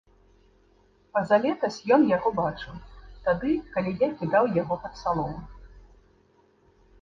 Пазалетась ён яго бачыў, тады, калі я кідаў яго пад салому.